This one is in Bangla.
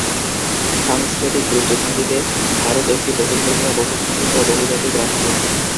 সাংস্কৃতিক দৃষ্টিভঙ্গিতে ভারত একটি বহুধর্মীয়, বহুভাষিক, ও বহুজাতিক রাষ্ট্র।